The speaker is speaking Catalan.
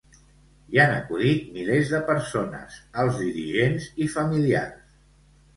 Hi han acudit milers de persones, alts dirigents i familiars.